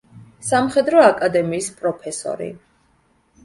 სამხედრო აკადემიის პროფესორი.